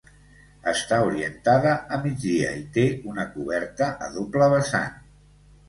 Està orientada a migdia i té una coberta a doble vessant.